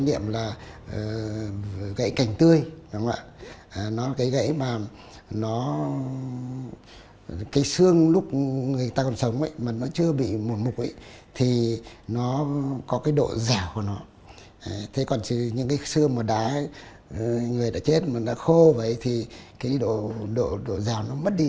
người đã chết người đã khô vậy thì cái độ dào nó mất đi